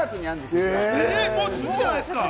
すぐじゃないですか！